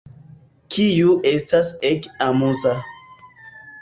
Kiu estas ege amuza